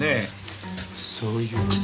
そういう事。